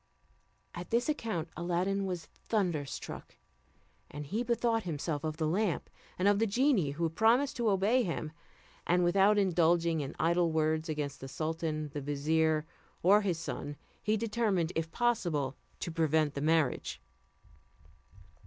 At this account, Aladdin was thunderstruck, and he bethought himself of the lamp, and of the genie who had promised to obey him; and without indulging in idle words against the sultan, the vizier, or his son, he determined, if possible, to prevent the marriage.